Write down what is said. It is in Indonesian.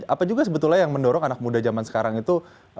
apa juga sebetulnya yang mendorong anak muda zaman sekarang itu